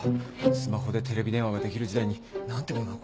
スマホでテレビ電話ができる時代に何てものを。